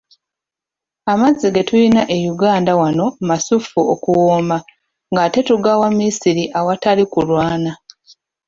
"Amazzi ge tulina e Uganda wano masuffu okuwooma, ng’ate tugawa misiri awatali kulwana."